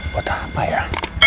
buat apa ya